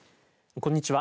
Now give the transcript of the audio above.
こんにちは。